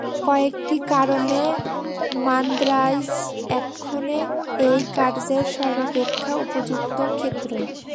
কয়েকটি কারণে মান্দ্রাজই এক্ষণে এই কার্যের সর্বাপেক্ষা উপযুক্ত ক্ষেত্র।